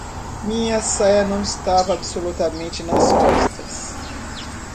Minha saia não estava absolutamente nas costas.